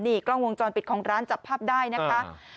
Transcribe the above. นี่กล้องวงจรปิดของร้านจับภาพได้นะคะ